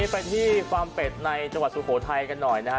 ไปที่ฟาร์มเป็ดในจังหวัดสุโขทัยกันหน่อยนะฮะ